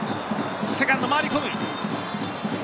セカンド、回り込む。